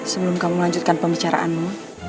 sebelum kamu melanjutkan pembicaraanmu